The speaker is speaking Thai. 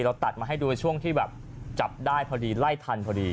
เราตัดมาให้ดูช่วงที่แบบจับได้พอดีไล่ทันพอดี